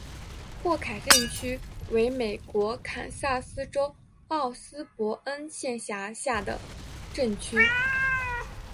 霍凯镇区为美国堪萨斯州奥斯伯恩县辖下的镇区。